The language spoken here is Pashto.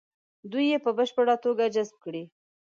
دوی یې په بشپړه توګه جذب کړي.